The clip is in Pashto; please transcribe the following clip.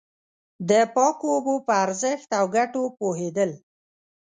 د پاکو اوبو په ارزښت او گټو پوهېدل.